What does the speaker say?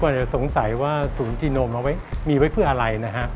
หลายคนยังสงสัยว่าศูนย์ยนต์เทศปกรณ์มีไว้เพื่ออะไร